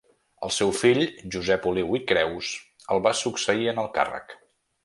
El seu fill, Josep Oliu i Creus, el va succeir en el càrrec.